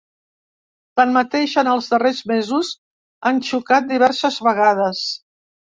Tanmateix, en els darrers mesos, han xocat diverses vegades.